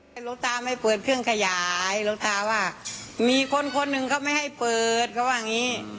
แต่หลวงตาไม่เปิดเครื่องขยายหลวงตาว่ามีคนคนหนึ่งเขาไม่ให้เปิดเขาว่าอย่างนี้